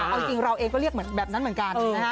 เอาจริงเราเองก็เรียกแบบนั้นเหมือนกัน